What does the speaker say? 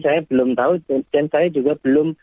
saya belum tahu dan saya juga belum